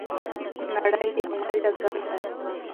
نړۍ د عمل ډګر دی.